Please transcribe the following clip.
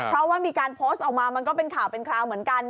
เพราะว่ามีการโพสต์ออกมามันก็เป็นข่าวเป็นคราวเหมือนกัน